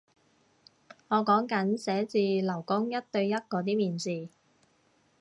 我講緊寫字樓工一對一嗰啲面試